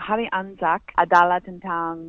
hari ansat adalah tentang